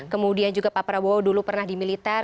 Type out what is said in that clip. kemudian juga pak prabowo dulu pernah di militer